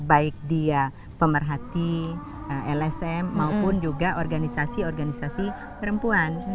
baik dia pemerhati lsm maupun juga organisasi organisasi perempuan